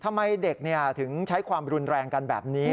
ทำไมเด็กถึงใช้ความรุนแรงกันแบบนี้